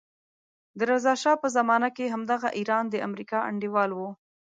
د رضا شا په زمانه کې همدغه ایران د امریکا انډیوال وو.